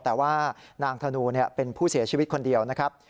แต่ว่านางธนูเป็นผู้เสียชีวิตคนเดียวนะครับ